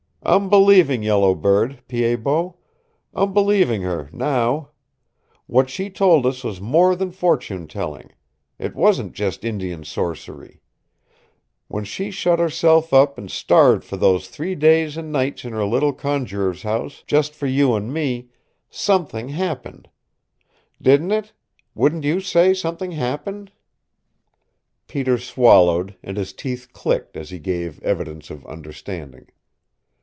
"I'm believing Yellow Bird, Pied Bot. I'm believing her now. What she told us was more than fortune telling. It wasn't just Indian sorcery. When she shut herself up and starved for those three days and nights in her little conjurer's house, just for you and me SOMETHING HAPPENED. Didn't it? Wouldn't you say something happened?" Peter swallowed and his teeth clicked as he gave evidence of understanding.